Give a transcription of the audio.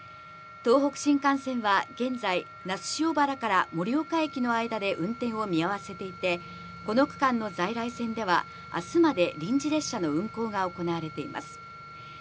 東北新幹線は、現在、那須塩原から盛岡駅の間で運転を見合わせていて、この区間の在来線では、明日まで臨時列車の運行が行われています。